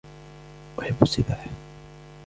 أحب السباحة.